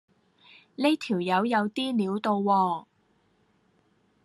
呢條友有啲料到喎